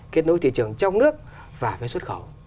kết nối thị trường trong nước và cái xuất khẩu